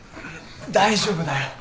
大丈夫だよ。